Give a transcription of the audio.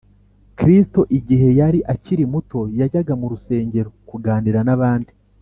Kristo Igihe yari akiri muto yajyaga mu rusengero kuganira n abandi